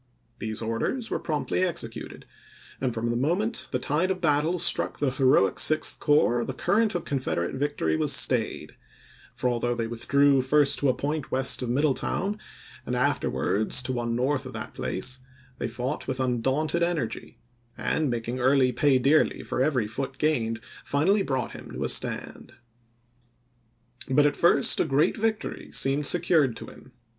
These orders were promptly executed, and from the moment the tide of battle struck the heroic Sixth Corps the current of Confederate victory was stayed; for although they withdrew first to a point west of Middletown, and afterwards to one north of that place, they fought with undaunted energy, and, making Early pay dearly for every foot gained, finally brought him to a stand. But at first a great victory seemed secured to him.